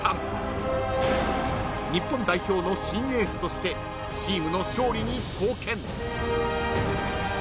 ［日本代表の新エースとしてチームの勝利に貢献］